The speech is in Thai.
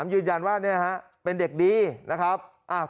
ยืนยันว่าเป็นเด็กดีนะครับ